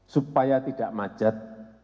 supaya tidak macet